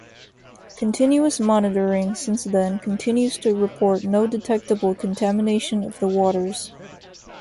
Continuous monitoring since then continues to report no detectable contamination of the waters.